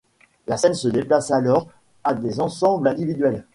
La scène se déplace alors à des ensembles individuels.